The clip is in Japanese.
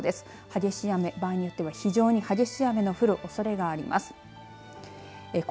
激しい雨場合によっては非常に激しい雨が降るおそれがあります。